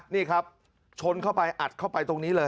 นี่ครับชนเข้าไปอัดเข้าไปตรงนี้เลย